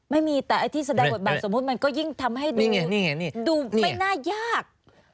ไม่มีแต่ไอ้ที่แสดงบทบาทสมมุติมันก็ยิ่งทำให้ดูไม่น่ายาก